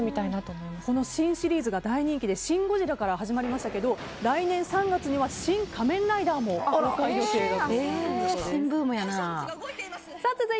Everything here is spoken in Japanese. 新シリーズが大人気で「シン・ゴジラ」から始まりましたが、来年３月には「シン・仮面ライダー」も公開予定だということです。